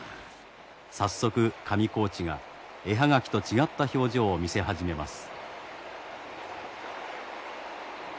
早速上高地が絵葉書と違った表情を見せ始めます。